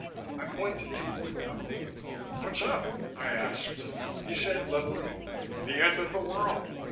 I pointed to the window. "What's up?" I asked. He said levelly, "The end of the world.